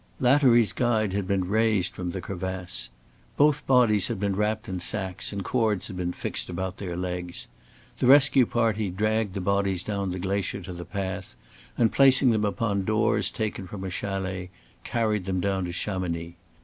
Lattery's guide had been raised from the crevasse. Both bodies had been wrapped in sacks and cords had been fixed about their legs. The rescue party dragged the bodies down the glacier to the path, and placing them upon doors taken from a chalet, carried them down to Chamonix.